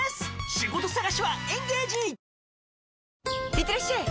いってらっしゃい！